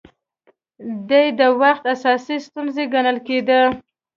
دې د وخت اساسي ستونزه ګڼل کېده